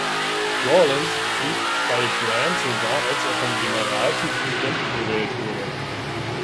Rawlins blieb bei Grant sogar als er vom General zum Präsidenten gewählt wurde.